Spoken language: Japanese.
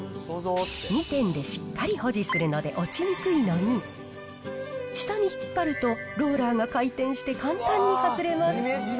２点でしっかり保持するので落ちにくいのに、下に引っ張ると、ローラーが回転して簡単に外れます。